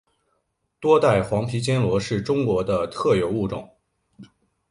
多带黄皮坚螺是中国的特有物种。